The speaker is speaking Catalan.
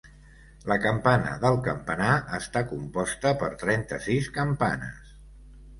La campana del campanar està composta per trenta-sis campanes.